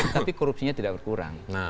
tapi korupsinya tidak berkurang